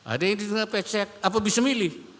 ada yang hidungnya pesek apa bisa milih